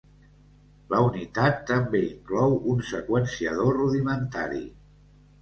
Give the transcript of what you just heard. La unitat també inclou un seqüenciador rudimentari.